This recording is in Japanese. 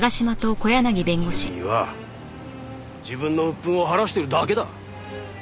君は自分の鬱憤を晴らしているだけだ。